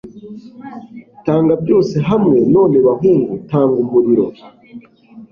tanga byose hamwe! none, bahungu, tanga umuriro